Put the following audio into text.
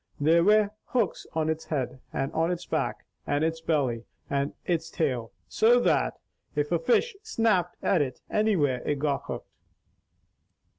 There were hooks on its head, and on its back, and its belly, and its tail, so's that if a fish snapped at it anywhere it got hooked."